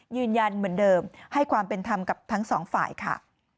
ยืนยันเหมือนเดิมให้ความเป็นธรรมกับทั้งสองฝ่ายค่ะ